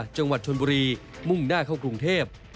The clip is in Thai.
จังหวัดชนบุรีมุ่งหน้าเข้ากรุงเทพ